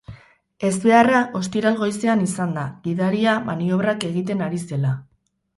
Ezbeharra ostiral goizean izan da, gidaria maniobrak egiten ari zela.